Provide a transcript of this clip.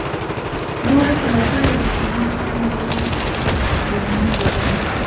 دا د خلفای راشدینو هغه میراث دی چې موږ پرې نن ویاړو.